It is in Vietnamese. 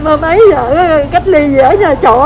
mà mấy vợ cách ly gì ở nhà chọ